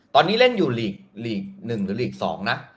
ตอนนี้เล่นอยู่ลีก๑หรือลีก๒นะ